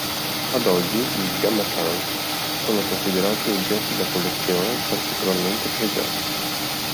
Ad oggi, i "Gama Tank" sono considerati oggetti da collezione particolarmente pregiati.